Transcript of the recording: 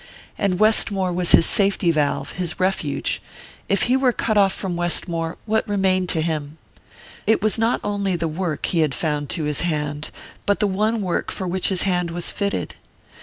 And Westmore was his safety valve, his refuge if he were cut off from Westmore what remained to him? It was not only the work he had found to his hand, but the one work for which his hand was fitted.